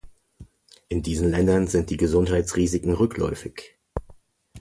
In diesen Ländern sind die Gesundheitsrisiken rückläufig.